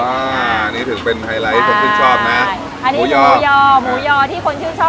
อันนี้ถึงเป็นไฮไลท์คนชื่นชอบนะใช่อันนี้ดูยอหมูยอที่คนชื่นชอบ